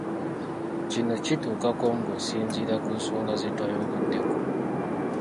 Kino okituukako ng'osinziira ku nsonga ze twayogeddeko.